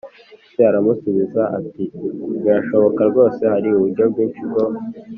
Se aramusubiza ati Birashoboka rwose Hari uburyo bwinshi bwo